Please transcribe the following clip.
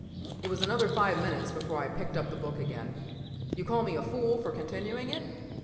p> It was another five minutes before I picked up the book again. You call me a fool for continuing it?